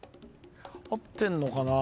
あってんのかな？